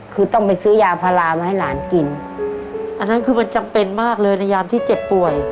คือต้องไปซื้อยาพารามาให้หลานกินอันนั้นคือมันจำเป็นมากเลยในยามที่เจ็บป่วย